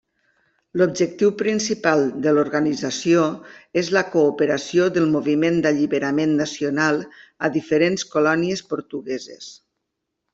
L'objectiu principal de l'organització és la cooperació del moviment d'alliberament nacional a diferents colònies portugueses.